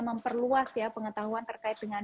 memperluas ya pengetahuan terkait dengan